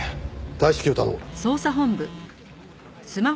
大至急頼む。